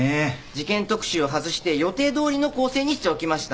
事件特集を外して予定どおりの構成にしておきました。